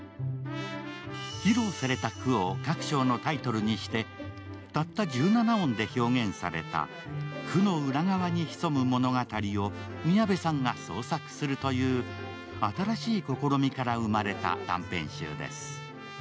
披露された句を各章のタイトルにしてたった１７音で表現された句の裏側に潜む物語を宮部さんが創作するという新しい試みから生まれた短編集です。